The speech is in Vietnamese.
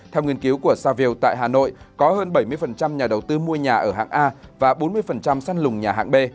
theo nghiên cứu của saview tại hà nội có hơn bảy mươi nhà đầu tư mua nhà ở hạng a và bốn mươi săn lùng nhà hạng b